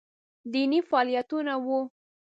دیني فعالیتونه وو